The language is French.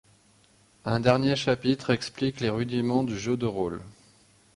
Un dernier chapitre explique les rudiments du jeu de rôle.